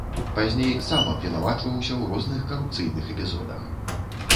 Пазней сам абвінавачваўся ў розных карупцыйных эпізодах.